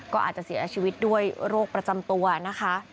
ก็อาจจะเสียชีวิตด้วยโรคประจำตัวนะคะ